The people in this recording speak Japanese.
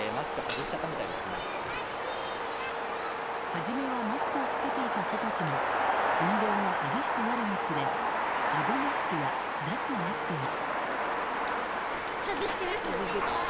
初めはマスクを着けていた子たちも運動が激しくなるにつれあごマスクや脱マスクに。